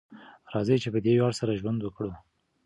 راځئ چې په دې ویاړ سره ژوند وکړو.